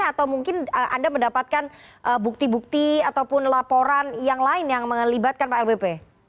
atau mungkin anda mendapatkan bukti bukti ataupun laporan yang lain yang mengelibatkan pak lbp